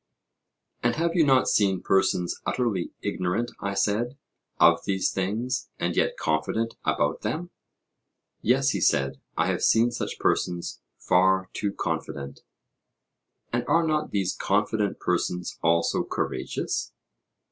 And have you not seen persons utterly ignorant, I said, of these things, and yet confident about them? Yes, he said, I have seen such persons far too confident. And are not these confident persons also courageous?